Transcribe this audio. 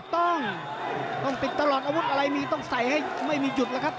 ต้องปิดตลอดเอาเปอร์อะไรมีต้องใส่ให้ไม่มีจุดแล้วครับ